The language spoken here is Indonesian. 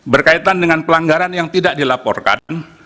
berkaitan dengan pelanggaran yang tidak dilaporkan